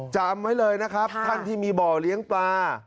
จำไว้เลยนะครับท่านที่มีบ่อเลี้ยงปลา